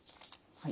はい。